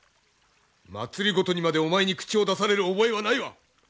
政にまでお前に口を出される覚えはないわ！